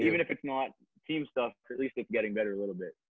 setidaknya bisa lebih baik